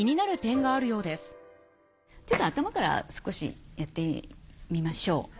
ちょっと頭から少しやってみましょう。